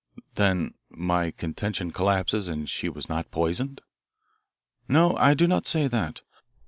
"Then my contention collapses and she was not poisoned?" "No, I do not say that.